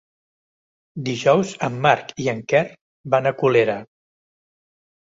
Dijous en Marc i en Quer van a Colera.